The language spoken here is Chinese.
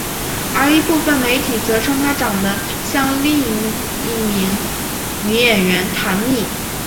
而一部分媒体则称她长得像另一名女演员坛蜜。